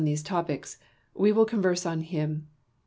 these topics, we will converse on him.